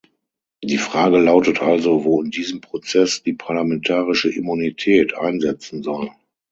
Die Frage lautet also, wo in diesem Prozess die parlamentarische Immunität einsetzen soll.